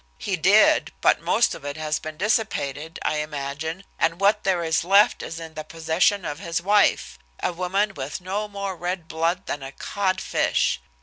"He did, but most of it has been dissipated, I imagine, and what there is left is in the possession of his wife, a woman with no more red blood than a codfish.